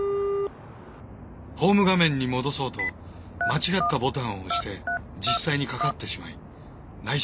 ホーム画面に戻そうと間違ったボタンを押して実際にかかってしまい内心